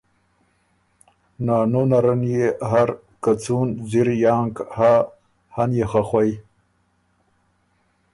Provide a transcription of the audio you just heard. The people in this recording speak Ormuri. نانو نرن يې هر که څُون جر یانک هۀ، هۀ ن يې خه خوئ۔